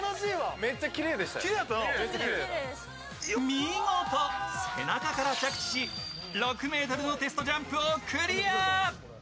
見事、背中から着地し６ｍのテストジャンプをクリア。